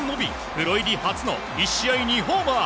プロ入り初の１試合２ホーマー。